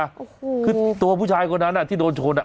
โอ้โหคือตัวผู้ชายคนนั้นที่โดนชนอ่ะ